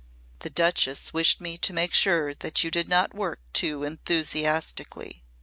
"The Duchess wished me to make sure that you did not work too enthusiastically.